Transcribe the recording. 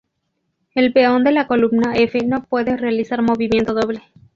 El peón de la columna f no puede realizar movimiento doble.